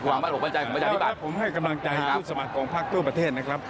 เยอะเยอะกว่าครั้งที่แล้วเยอะ